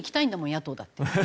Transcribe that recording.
野党だって。